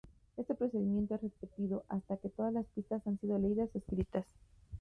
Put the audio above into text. Este procedimiento es repetido hasta que todas las pistas han sido leídas o escritas.